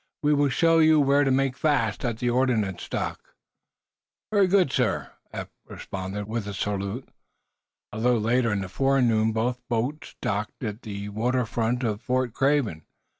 "We will show you where to make fast at the ordnance dock." "Very good, sir," Eph responded, with a salute. A little later in the forenoon both boats docked at the water front of Fort Craven.